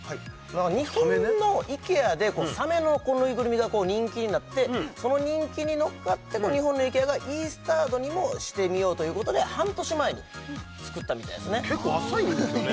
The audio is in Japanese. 日本のイケアでサメのぬいぐるみが人気になってその人気に乗っかって日本のイケアがイースタードにもしてみようということで半年前に作ったみたいですね結構浅いんですよね